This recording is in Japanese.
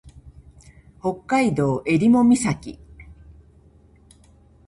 北海道襟裳岬